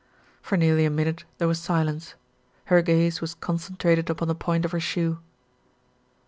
For nearly a minute there was silence. Her gaze was concentrated upon the point of her shoe.